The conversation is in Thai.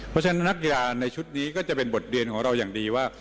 เพราะฉะนั้นนักกีฬาในชุดนี้ก็จะเป็นบทเรียนของเราอย่างดีว่า